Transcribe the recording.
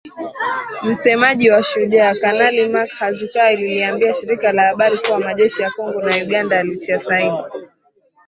Msemaji wa Shujaa, Kanali Mak Hazukay aliliambia shirika la habari kuwa majeshi ya Kongo na Uganda yalitia saini.